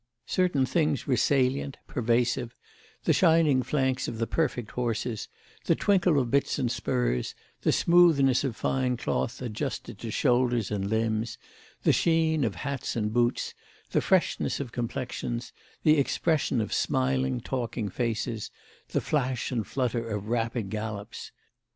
Certain things were salient, pervasive—the shining flanks of the perfect horses, the twinkle of bits and spurs, the smoothness of fine cloth adjusted to shoulders and limbs, the sheen of hats and boots, the freshness of complexions, the expression of smiling talking faces, the flash and flutter of rapid gallops.